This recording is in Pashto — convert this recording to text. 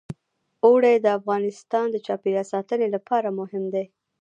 اوړي د افغانستان د چاپیریال ساتنې لپاره مهم دي.